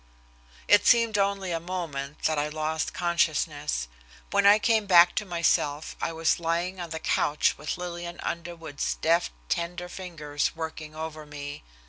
It seemed only a moment that I lost consciousness. When I came back to myself I was lying on the couch with Lillian Underwood's deft, tender fingers working over me.